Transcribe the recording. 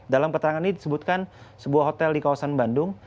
dalam keterangan ini disebutkan sebuah hotel di kawasan bandung